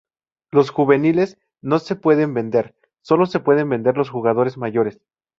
Los juveniles no se pueden vender, sólo se pueden vender los jugadores mayores.